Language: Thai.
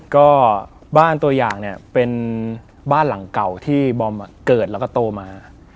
ก็บ้านตัวอย่างเนี่ยเป็นบ้านหลังเก่าที่บอมเกิดแล้วก็โตมา